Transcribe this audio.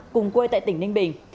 cùng quê tại tỉnh ninh bình